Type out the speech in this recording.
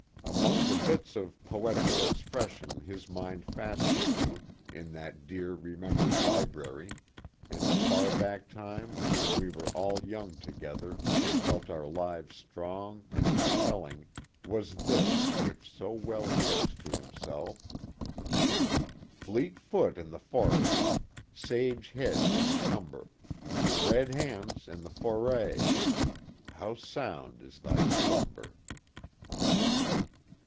Among the bits of poetical expression his mind fastened to in that dear remembered library in the far back time when we were all young together and felt our lives strong and "compel ling," was this which so well fits to himself :" fleet foot in the forest, Sage head in the cumber Red hand in the foray 1 How sound is thy slumber.'